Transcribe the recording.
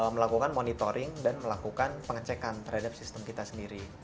melakukan monitoring dan melakukan pengecekan terhadap sistem kita sendiri